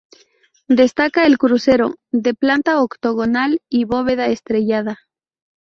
Destaca el crucero, de planta octogonal y bóveda estrellada.